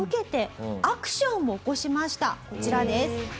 こちらです。